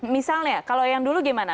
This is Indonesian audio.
misalnya kalau yang dulu gimana